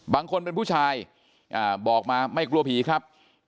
บางคนเป็นผู้ชายบอกมาไม่กลัวผีครับ